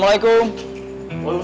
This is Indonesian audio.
tidak tidak tidak tidak